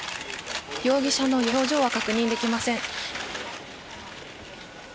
容疑者の表情は確認できません。